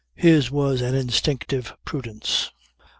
His was an instinctive prudence.